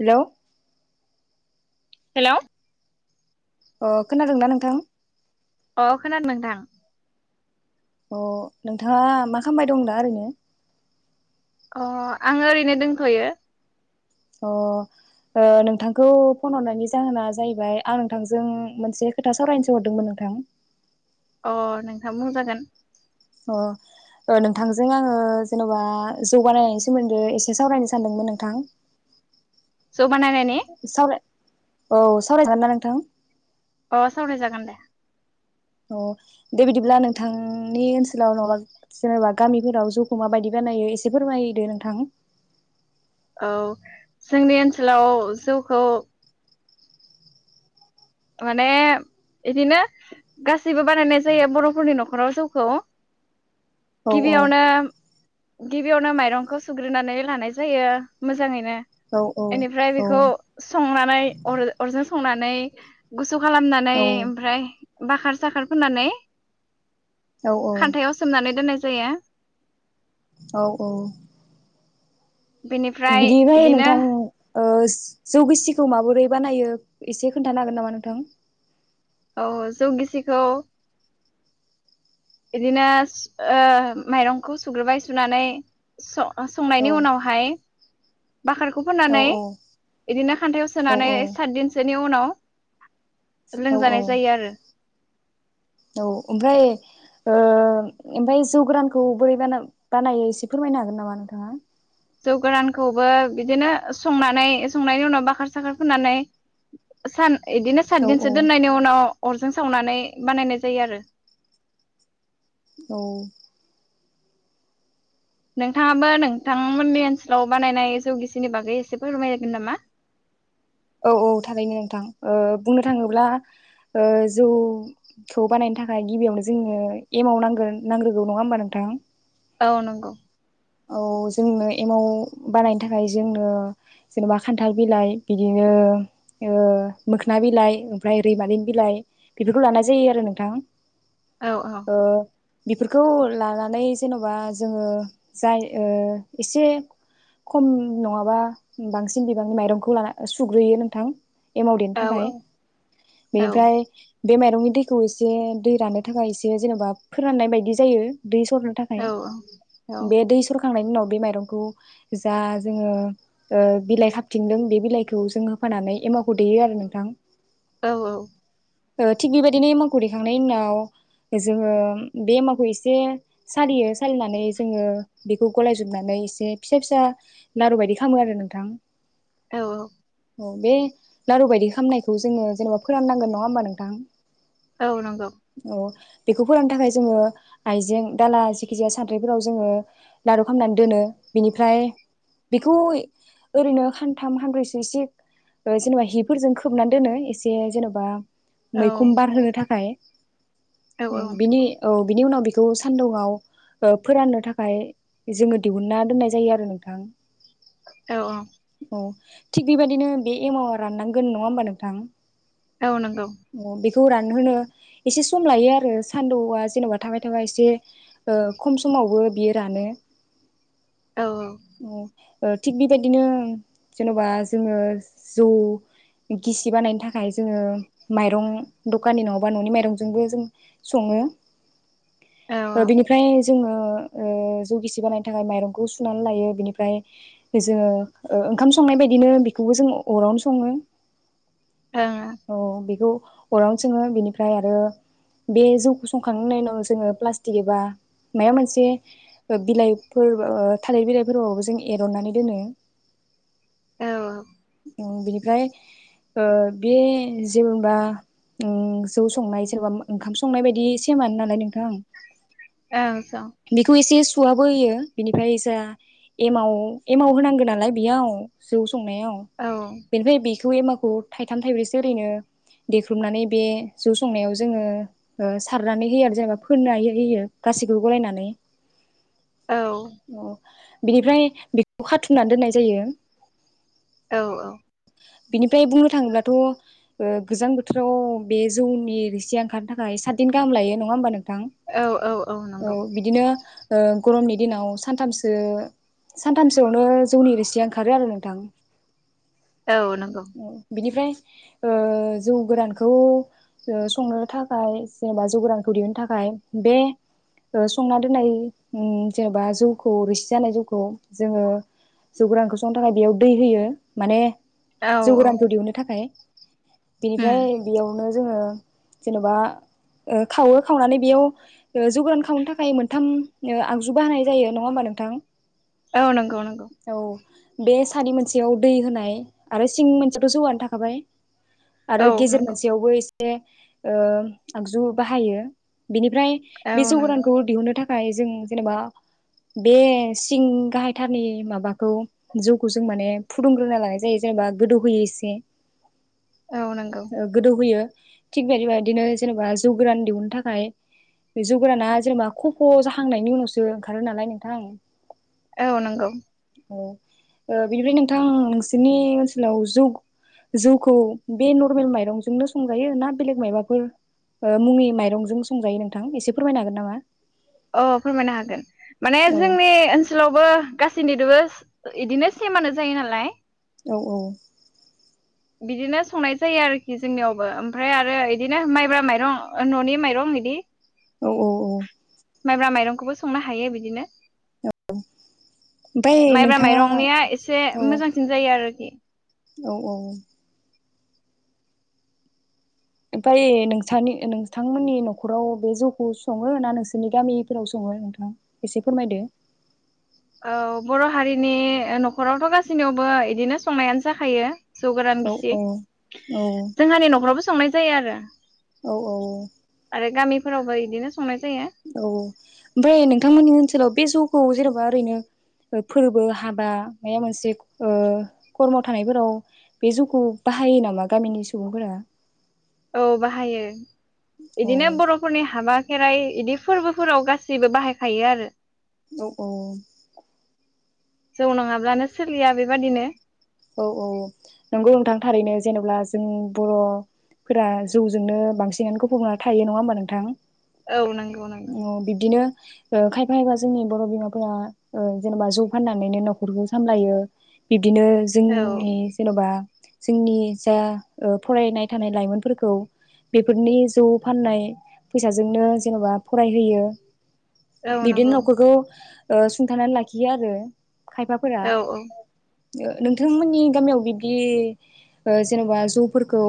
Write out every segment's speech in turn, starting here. हेल' hello अ खोनादोंना नोंथां? अ खोनादों नोंथां अ नोंथाङा मा खालामबाय दं दा ओरैनो? अ आं ओरैनो दोनथ'यो अ ओ नोंथांखौ फन हरनायनि जाहोना जाहैबाय आं नोंथांजों मोनसे खोथा सावरायनोसो हरदोंमोन नोंथां। अ नोंथां बुंजागोन अ ओ नोंथांजों आङो जेन'बा जौगानायनि सोमोन्दै एसे सावरायनो सानदोंमोन नोंथां जौगानाय माने? सावराय औ सावरायगोन ना नोंथां? अ सावराय जागोन दे। अ दे बिदिब्ला नोंथांनि ओनसोलाव नङाबा जेनेबा गामिफोराव जौखौ माबायदि बानायो एसे फोरमायदो नोंथां? औ जोंनि ओनसोलाव जौखौ माने बिदिनो गासैबो बानायनाय जायो बर'फोरनि न'खराव जौखौ औ औ गिबियावनो गिबियावनो माइरंखौ सुग्रोनानै लानाय जायो मोजाङैनो औ औ बेनिफ्राय औ बेखौ संनानै अर-अरजों संना नै थखालामनानै ओमफ्राय बाखार साखार फोननानै औ खान्थायाव सोमनानै दोननाय जायो। औ औ। बेनिफ्राय बिदिफ्राय इदिनो नोंथां ओ जौ गिसिखौ माबोरै बानायो एसे खोन्थानो हागोन नामा नोंथां औ औ जौ गिसिखौ बिदिनो ओ माइरंखौ सुग्रोबाय सुनानै स ओ औ संनायनि उनावहाय बाखारखौ औ फोननानै बिदिनो खान्थायाव औ सोनानै सातदिनसो इनि उनाव औ औ लोंजानाय जायो आरो औ ओमफ्राय ओ ओमफ्राय जौ गोरानखौ बोरै बाना-बानायो एसे फोरमायनो हागोन नामा नोंथाङा जौ गोरानखौबो बिदिनो संनानै संनायनि उनाव बाखार साखार फोनानै सान इदिनो औ औ सातदिनसो दोननायनि उनाव अरजों सावनानै बानायनाय जायो आरो औ नोंथाङाबो नोंथांमोननि ओनसोलाव बानायनाय जौगिसिनि बागै एसेबो फोरमायजागोन नामा औ औ थारैनो नोंथां ओ बुंनो थाङोब्ला ओ जौखौ बानायनो थाखाय गिबियावनो जोंनो एम आव नांगोन नांग्रोगौ नङा होमबा नोंथां औ नंगौ औ जोंनो एमाव बानायनो थाखाय जोंनो जेनेबा खान्थाल बिलाइ बिदिनो ओ मोखोन बिलाइ ओमफ्राय रैमलिनि बिलाइ बेफोरखौ लानाय जायो आरो नोंथां औ औ ओ बेफोरखौ लानानै जेन'बा जोङो जाय ओ एसे खम नङाबा बांसिन बिबांनि माइरंखौ लाना सुग्रोयो नोंथां एमाव देनो औ थाखाय औ बेनिफ्राय बे माइरंनि दैखौ एसे दै राननो थाखाय एसे जेनेबा फोराननाय बायदि जायो दै सरनो थाखाय औ औ बे दै सर होखांनायनि उनाव बे माइरंखौ जा जोङो ओ बिलाइ खाबथिंदों बे बिलाइखौ जोंङो होफानानै एमावखौ देयो आरो नोंथां औ औ ओ थिग बेबायदिनो एमाखौ दैखांनायनि उनाव जोङो बे एमावखौ एसे सालियो सालिनानै जोङो बेखौ गलायजोबनानै एसे फिसा फिसा लारु बायदि खालामो आरो नोंथां औ औ औ बे लारु बायदि खालामनायखौ जोङो जेनेबा फोराननांगोन नङा होमबा नोंथां औ नंगौ औ बेखौ फोरोंनो थाखाय जोङो आइजें दाला जेखि जाया सानद्रि बेफोराव जोङो लारु खालामनानै दोनो बिनिफ्राय बेखौ ओरैनो खानथाम हानब्रैसो एसे जेनेबा हिफोरजों खोबनानै दोनो एसे जेनेबा औ मैखुन बारहोनो थाखाय औ औ बिनि औ बिनि उनाव बेखौ सान्दुंआव ओ फोराननो थाखाय जोङो दिहुनना दोननाय जायो आरो नोंथां औ औ थिग बेबायदिनो बे एमावा राननांगोन नङा होमबा नोंथां औ नंगौ खौ रानहोनो एसे सम लायो आरो सानदौआ जेन'बा थाबाय थाबाय एसे खम समावबो बियो रानो औ औ थिग बेबायदिनो जेन'बा जोङो जौ गिसि बानायनो थाखाय जोङो माइरं दखाननि न' बा न'नि माइरंजोंबो जों सङो औ औ बिनिफ्राय जोङो जौ गिसि बानायनो थाखाय माइरंखौ सुनानै लायो बिनिफ्राय जोङो ओंखाम संनाय बायदिनो बेखौबो जों अरावनो सङो औ औ बेखौ अरावनो जोङो बेनिफ्राय आरो बे जौखौ संखांनायनि उनाव जोङो प्लास्टिक एबा माबा मोनसे बिलाइफोर थालिर बिलाइफोरबो जों एरननानै दोनो औ बिनिफ्राय बे जेनबा जौ संनाय सोरबा ओंखाम संनाय बायदि सेमानो नालाय नोंथां औ ज आबो होयो बिनिफ्राय ज एमाव एमाव होनांगौ नालाय बेयाव जौ सं नाय औ बेनिफाय बे खौ एमाखौ थाइथाम थाइब्रैसो ओरैनो देख्रुबनानै बे जौ संनायाव जोङो सारनानै होयो आरो जेनेबा फोननो हो होयो गासैखौबो गलायनानै औ औ बिनिफ्राय बेखौ खाथुमनानै दोननाय जायो औ औ बिनिफ्राय बुंनो थाङोब्लाथ' गोजां बोथोराव बे जौनि रसिया ओंखारनो थाखाय सातदिन गाहाम लायो नङा होमबा नों औ औ औ बिदिनो गरमनि दिनाव सानथामसो सानथामसोयावनो जौनि रोसिया ओंखारो आरो नोंथां। औ नंगौ [unintelligible] बिनिफ्राय ओ जौ गोरानखौ ओ संनो थाखाय जेनेबा जौ गोरानखौ दिहुननो थाखाय बे ओ संना दोननाय ओं जेनेबा जौखौ रोसि जानाय जौखौ जोङो जौ गोरानखौ संनो थाखाय बेयाव दै होयो माने औ जौ औ गोरानखौ दिहुननो थाखाय बेनिफ्राय उम बेयावनो जोङो जेन'बा ओ खावो खावनानै बेयाव जौगान खावनो थाखाय मोनथाम ओ आगजु बाहानाय जायो नङा होमबा नोंथां? औ नंगौ नंगौ। औ बे सानै मोनसेयाव दै होनाय आरो सिं मोनसेयावथ' जौआनो थाखाबाय। आरो औ गेजेर नंगौ मोनसेयावबो एस ओ आगजु बाहायो बेनिफ्राय औ बे नंगौ जौगोदानखौ दिहुननो थाख थाखाय जों जेनेबा बे सिं गाहायथारनि माबाखौ जौखौ जों माने फुदुंग्रोना लानाय जायो जेनेबा गोदौहोयो एसे। औ नंगौ गोदौहोयो। थिग बेदिबायदिनो बिदिनो जेनेबा जौ गोरान दिहुननो थाखाय जौ गोराना जेनेबा खफ' जाहांनायनि उनावसो ओंखारो नालाय नोंथां। औ नंगौ। औ ओ बेनिफ्राय नोंथां नोंसोरनि ओनसोलाव जौ जौखौ बे नरमेल माइरंजोंनो संजायो ना बेलेग मायबाफोर ओ मुंनि माइरंजों संजायो नों नोंथां एसे फोरमायनो हागोन नामा? अ फोरमायनो हागोन। माने औ जोंनि ओनसोलावबो गासैनि रोबोस इदिनो सेमानो जायो नालाय। औ औ। बिदिनो संनाय जायो आरोखि जोंनियावबो ओमफ्राय आरो इदिनो माइब्रा माइरं ओ न'नि माइरं इदि। औ औ औ। माइब्रा माइरंखौबो संनो हायो बिदिनो। ओमफ्राय माइब्रा नोंथाङा औ माइरंनिया एसे मोजांसिन जायो आरोखि। औ औ। ओमफाय नोंथांनि नोंथांमोननि नख'राव बे जौखौ सङो ना नोंसोरनि गामिफोराव सङो नोंथां एसे फोरमायदो। औ बर' हारिनि नखरावथ' गासैनियावबो इदिनो संनायानो जाखायो। जौ गोरान औ गिसि औ जोंहानि नखरावबो संनाय जायो आरो। औ औ। आरो गामिफोरावबो इदिनो संनाय जायो औ ओमफ्राय नोंथांमोननि ओनसोलाव बे जौखौ जेरावबो ओरैनो फोरबो हाबा माबा मोनसे ओ खर्माव थानायफोराव बे जौखौ बाहायो नामा गामिनि सुबुंफोरा? औ बाहायो औ इदिनो बर'फोरनि हाबा खेराइ बिदि फोरबोफोराव गासैबो बाहायखायो आरो। औ औ। जौ नाङाब्लानो सोलिया बेबादिनो। औ औ नंगौ नोंथां थारैनो जेनेबा जों बरफोरा जौजोंनो बांसिनानो खोफौना थायो नङा होमबा नोंथां? औ नंगौ नंगौ। बिब्दिनो ओ खायफा एबा जोंनि बर बिमाफोरा ओ जेनेबा जौ फाननानैनो नखरखौ सामलायो बिबदिनो औ जोंनि जेनबा जोंनि जा फरायनाय थानाय लाइमोनफोरखौ बेफोरनि जौ फाननाय फैसाजोंनो जेन'बा फरायहोयो। औ बिदिनो नंगौ नखरखौ सुंथानानै लाखियो आरो। खायफाफोरा औ औ ओ नोंथांमोननि गामियाव बिब्दि जेनबा जौफोरखौ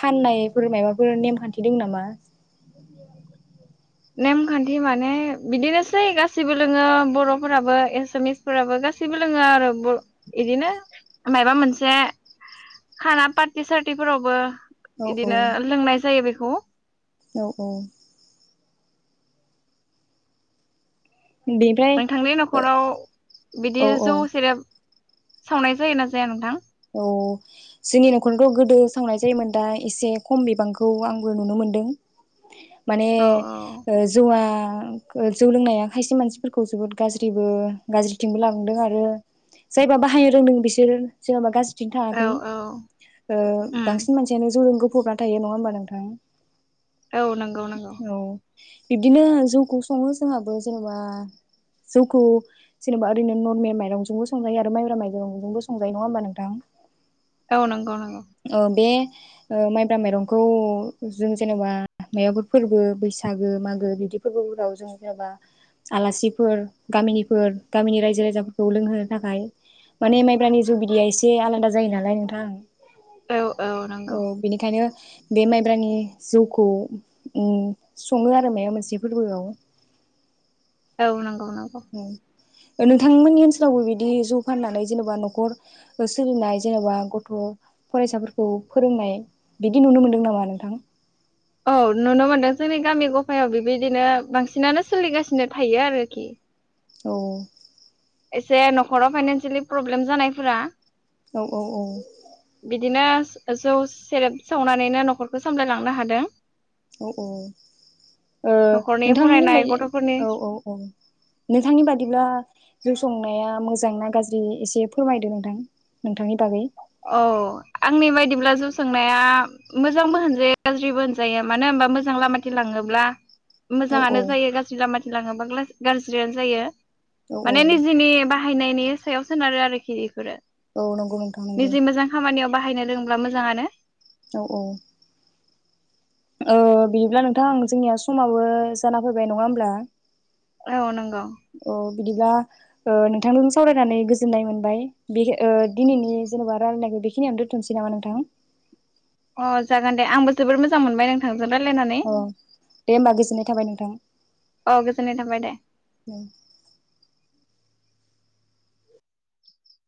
फाननायफोर माबाफोर नेमखान्थि दं नामा? नेमखान्थि माने बिदिनोसै गासैबो लोङो बरफोराबो एसामिसफोराबो गासैबो लोङो आरो इदिनो माबा मोनसे खाना पार्टि सार्टिफोरावबो औ औ बिदिनो लोंनाय जायो बेखौ। ह औ औ। नोंथांनि बेनिफ्राय न'खराव औ बिदि औ जौ सेरेब सावनाय जायोना जाया नोंथां? अ जोंनि न'खराव गोदो सावनाय जायोमोन दा एसे खम बिबांखौ आंबो नुनो मोनदों। माने औ जौवा जौ लोंनाया खायसे मानसिफोरखौ जोबोद गाज्रिबो गाज्रिथिंबो लाांदों आरो जायबा बाहायनो रोंदों बिसोर जेनबा गा बिदिनो औ थाङाखै औ ओ उम बांसिन मानसियानो जौजों पबना थायो नङा होमबा नोंथां? औ नंगौ नंगौ। औ बिब्दिनो जौखौ सङो जोंहाबो जेनेबा जौखौ जेनेबा ओरैनो नर्मेल माइरंजोंबो संजायो आरो माइब्रा माइरंजोंबो सङो। नङा होमबा नोंथां? औ नंगौ। नंगौ ओ बे ओ माइब्रा माइरंखौ जों जेनेबा माबफोर फोरबो बैसागो मागो बिदि फोरबोफोराव जों जेनेबा आलासिफोर गामिनिफोर गामिनि रायजो राजाफोरखौ लोंहोनो थाखाय माने माइब्रानि जौ बिदया एसे आलादा जायो नालाय नोंथां। औ औ अ नंगौ बेनिखायनो बे माइब्रानि जौखौ उम सङो आरो माबा मोनसे फोरबोआव। औ नं औ। नोंथांमोननि ओनसोलावबो बिदि जौ फाननानै जेनेबा न'खर सोलिनाय जेन'बा गथ' फरायसाफोरखौ फोरोंनाय बिदि नुनो मोनदों नामा नोंथां? औ नुनो मोनदों जोंनि गामि गफायाव बेबायदिनो बांसिनानो सोलिगासिनो थायो आरोखि। औ। एसे न'खराव फाइनान्सियेलि प्रब्लेम जानायफोरा औ औ औ बिदिनो जौ सेरेब सावनानैनो न'खरखौ सामलायलांनो हादों। औ औ ओ न'खरनि नोंथांनि फरायनाय बाय गथ'फोरनि औ औ औ नोंथांनि बादिब्ला जौ संनाया मोजांना गाज्रि एसे फोरमायदो नोंथां नोंथांनि बागै? औ आंनि बायदिब्ला जौ सोंनाया मोजांबो होनजायो गाज्रिबो होनजायो मानो होनबा मोजां लामाथि लाङोब्ला औ औ मोजाङानो जायो गाज्रि लामा लाङोब्ला ग्लास गाज्रियानो जायो। औ माने निजेनि बा हायनायनि सायाव सोनारो आरोखि बेफोरो। औ नंगौ नोंथा निजे मोजां खामानियाव बाहायनो रोंब्ला मोजाङानो औ औ ओ बिदिब्ला नोंथां जोंनिया समाबो जाना फैबाय नङा होमब्ला? औ नंगौ औ बिदिब्ला ओ नोंथांजों सावरायनानै गोजोननाय मोनबाय बे ओ दिनैनि जेन'बा रायलायनायखौ बेखिनियानो दोन्थसै नामा नोंथां? अ जागोन दे आंबो जोबोद मोजां मोनबाय नोंथां औ दे होमबा गोजोननाय थाबाय नोंथां। बाय दे। उम [inaudible]